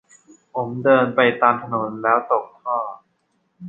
ผมเดินไปตามถนน แล้วตกท่อ